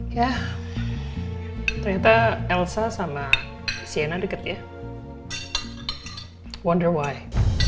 ya ternyata elsa sama sienna deket ya wonder why